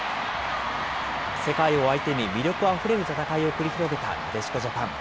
世界を相手に魅力あふれる戦いを繰り広げたなでしこジャパン。